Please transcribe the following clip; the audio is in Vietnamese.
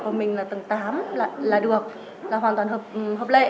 còn mình là tầng tám là được là hoàn toàn hợp lệ